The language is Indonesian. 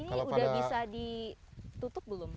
ini udah bisa ditutup belum